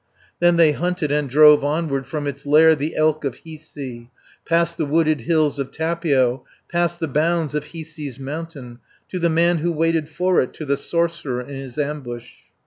Then they hunted and drove onward From its lair the elk of Hiisi, 240 Past the wooded hills of Tapio, Past the bounds of Hiisi's mountain, To the man who waited for it, To the sorcerer in his ambush.